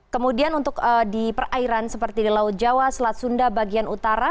kemudian untuk di perairan seperti di laut jawa selat sunda bagian utara